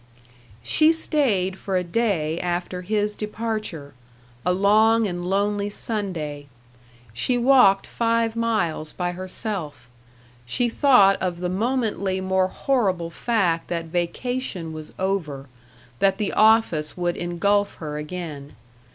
She stayed for a day after his departure, a long and lonely Sunday. She walked five miles by herself. She thought of the momently more horrible fact that vacation was over, that the office would engulf her again.